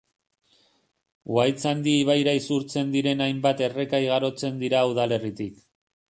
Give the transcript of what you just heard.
Uhaitzandi ibaira isurtzen diren hainbat erreka igarotzen dira udalerritik.